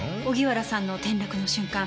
荻原さんの転落の瞬間